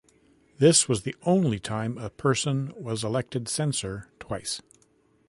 This was the only time a person was elected censor twice.